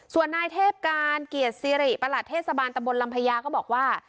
ส่วนนายเทพการเกียรติสิริประหลัดเทศบาลตำบลลำพญาก็บอกว่า